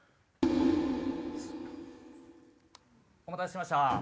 お待たせしました。